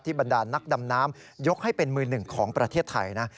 บรรดาลนักดำน้ำยกให้เป็นมือหนึ่งของประเทศไทยนะ